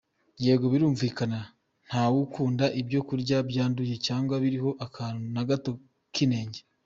Yego birumvikana nta wukunda ibyo kurya byanduye cyangwa biriho akantu na gato k’inenge.